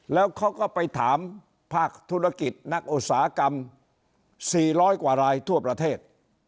แล้วเขาก็ไปถามภาคธุรกิจนักอุตสาหกรรม๔๐๐กว่ารายทั่วประเทศ